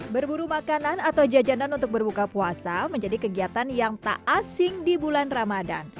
berburu makanan atau jajanan untuk berbuka puasa menjadi kegiatan yang tak asing di bulan ramadan